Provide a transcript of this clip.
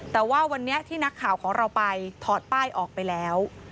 แต่ว่าวันนี้ที่นักข่าวของเราไปถอดป้ายออกไปแล้ว